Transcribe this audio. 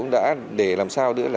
để làm sao